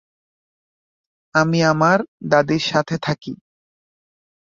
আমি আমার দাদীর সাথে থাকি।